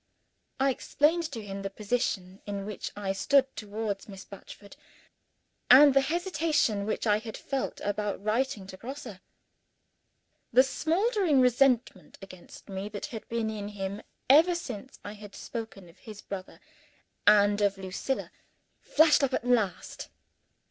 I explained to him the position in which I stood towards Miss Batchford, and the hesitation which I had felt about writing to Grosse. The smoldering resentment against me that had been in him ever since I had spoken of his brother and of Lucilla, flamed up at last.